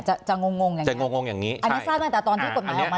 จะจะงงงอย่างงี้จะงงงงอย่างงี้อันนี้ทราบไหมแต่ตอนที่กดมาออกมาแล้ว